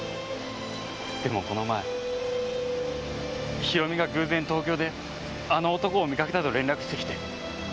でもこの前弘美が偶然東京であの男を見かけたと連絡してきて。